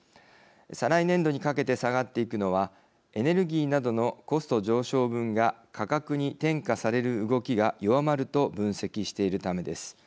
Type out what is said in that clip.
再来年度にかけて下がっていくのはエネルギーなどのコスト上昇分が価格に転嫁される動きが弱まると分析しているためです。